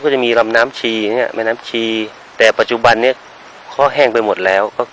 จะมีลำน้ำชีอย่างเงี้แม่น้ำชีแต่ปัจจุบันนี้ข้อแห้งไปหมดแล้ว